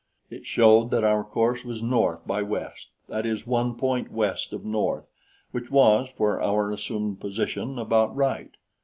It showed that our course was north by west that is, one point west of north, which was, for our assumed position, about right.